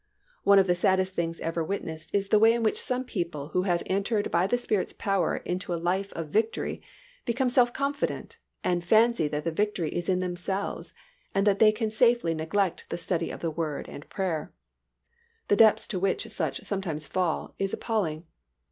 One of the saddest things ever witnessed is the way in which some people who have entered by the Spirit's power into a life of victory become self confident and fancy that the victory is in themselves, and that they can safely neglect the study of the Word and prayer. The depths to which such sometimes fall is appalling.